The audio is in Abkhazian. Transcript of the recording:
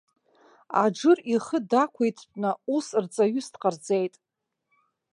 Аџыр ихы дақәиҭтәны, ус рҵаҩыс дҟарҵеит.